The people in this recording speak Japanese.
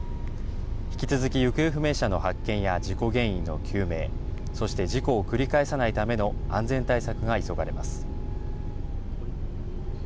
引き続き行方不明者の発見や事故原因の究明、そして事故を繰り返さないための安全対策が急がれます。